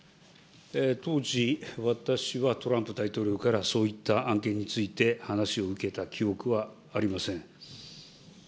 当時、私はトランプ大統領から、そういった案件について話を受けた記憶はありません。